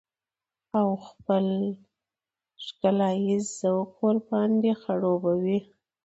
او خپل ښکلاييز ذوق ورباندې خړوبه وي.